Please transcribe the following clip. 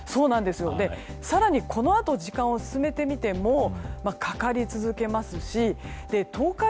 更にこのあと時間を進めてみてもかかり続けますし東海